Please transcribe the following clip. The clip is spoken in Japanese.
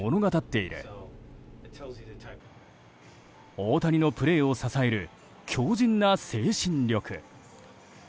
大谷のプレーを支える強靭な精神力。